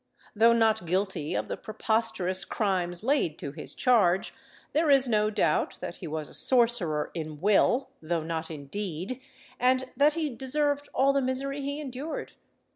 Though not guilty of the preposterous crimes laid to his charge, there is no doubt that he was a sorcerer in will, though not in deed, and that he deserved all the misery he endured.